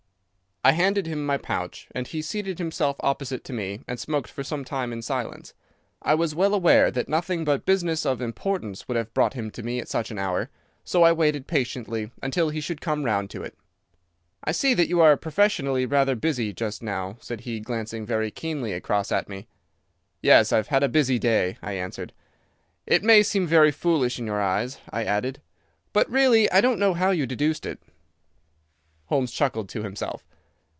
I handed him my pouch, and he seated himself opposite to me and smoked for some time in silence. I was well aware that nothing but business of importance would have brought him to me at such an hour, so I waited patiently until he should come round to it. "I see that you are professionally rather busy just now," said he, glancing very keenly across at me. "Yes, I've had a busy day," I answered. "It may seem very foolish in your eyes," I added, "but really I don't know how you deduced it." Holmes chuckled to himself.